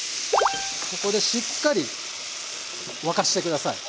ここでしっかり沸かして下さい。